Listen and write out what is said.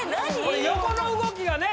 これ横の動きがね